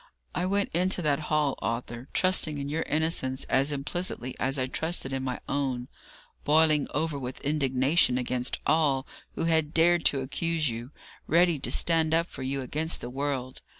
I went into that hall, Arthur, trusting in your innocence as implicitly as I trusted in my own, boiling over with indignation against all who had dared to accuse you, ready to stand up for you against the world.